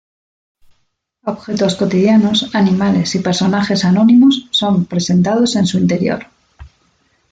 Objetos cotidianos, animales y personajes anónimos son presentados en su interior.